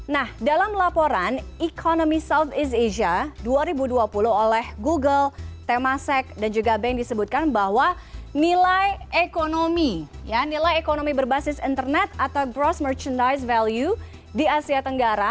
nah dalam laporan economy southeast asia dua ribu dua puluh oleh google temasek dan juga bank disebutkan bahwa nilai ekonomi nilai ekonomi berbasis internet atau bross merchandise value di asia tenggara